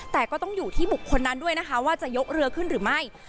แต่ก็ต้องอยู่ที่บุคคลนั้นด้วยนะคะว่าจะยกเรือขึ้นหรือไม่